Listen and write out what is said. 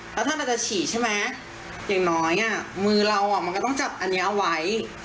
แล้วถ้าเราจะฉีดใช่ไหมอย่างน้อยมือเรามันก็ต้องจับอันนี้เอาไว้